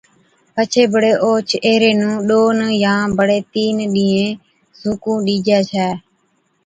پڇي بڙي اوهچ ايهري نُون ڏون يان بڙي تِين ڏِينهين سُوڪُون ڏِجَي ڇَي،